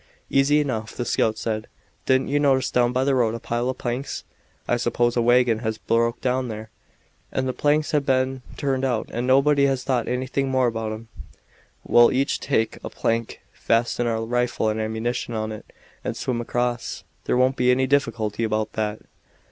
"Easy enough," the scout said. "Didn't you notice down by the road a pile of planks? I suppose a wagon has broke down there, and the planks have been turned out and nobody has thought anything more about 'em. We'll each take a plank, fasten our rifle and ammunition on it, and swim across; there won't be any difficulty about that.